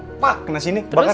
balok pak kena sini kebakar